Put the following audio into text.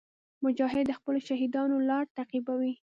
مجاهد د خپلو شهیدانو لار تعقیبوي.